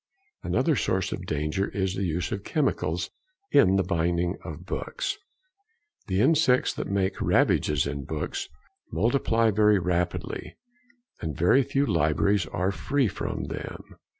Another source of danger is the use of chemicals in the binding of books. The insects that make ravages in books multiply very rapidly, and very few libraries are free from them.